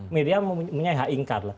miriam mempunyai haingkar